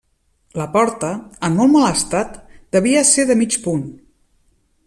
La porta, en molt mal estat, devia ser de mig punt.